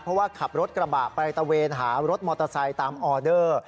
เพราะว่าขับรถกระบะไปตะเวนหารถมอเตอร์ไซค์ตามออเดอร์